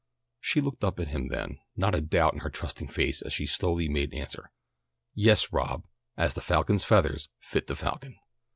She looked up at him then, not a doubt in her trusting face as she slowly made answer, "Yes, Rob, 'as the falcon's feathahs fit the falcon!'"